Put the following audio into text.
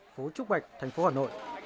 phố trúc bạch thành phố hà nội